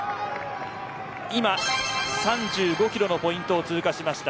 今３５キロのポイントを通過しました。